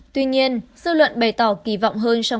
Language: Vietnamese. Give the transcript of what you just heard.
tuy nhiên dư luận bày tỏ kỳ vọng hơn